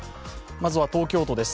まずは東京都です。